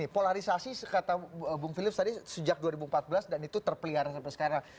polarisasi sekata bung philips tadi sejak dua ribu empat belas dan itu terpelihara sampai sekarang